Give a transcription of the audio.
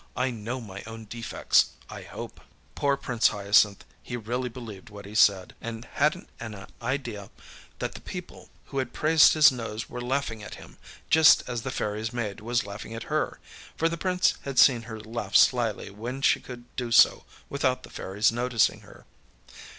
I know my own defects, I hope.â Poor Prince Hyacinth! He really believed what he said, and hadnât an idea that the people who had praised his nose were laughing at him, just as the Fairyâs maid was laughing at her; for the Prince had seen her laugh slyly when she could do so without the Fairyâs noticing her.